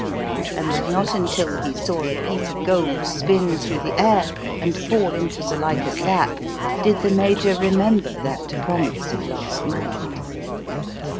And not until he saw a piece of gold spin through the air and fall into Zuilika's lap did the Major remember that promise of last night.